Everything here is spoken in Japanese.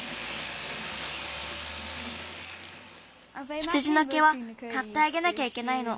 羊のけはかってあげなきゃいけないの。